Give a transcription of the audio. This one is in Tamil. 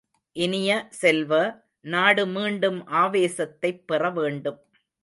இனிய செல்வ, நாடு மீண்டும் ஆவேசத்தைப் பெற வேண்டும்.